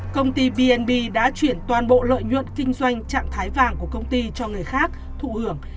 công ty vnb đã chuyển toàn bộ lợi nhuận kinh doanh trạng thái vàng của công ty cho người khác thụ hưởng